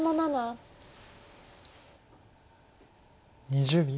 ２０秒。